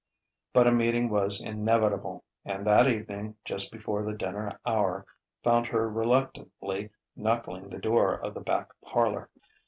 But a meeting was inevitable; and that evening, just before the dinner hour, found her reluctantly knuckling the door of the back parlour.